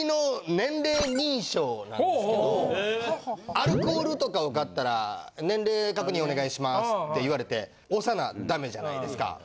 アルコールとかを買ったら「年齢確認お願いします」って言われて押さなダメじゃないですか。